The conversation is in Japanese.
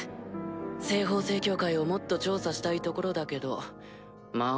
西方聖教会をもっと調査したいところだけど魔王